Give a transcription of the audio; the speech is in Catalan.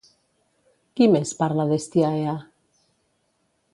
Qui més parla d'Hestiaea?